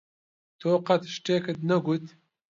تۆ قەت شتێکت نەگوت.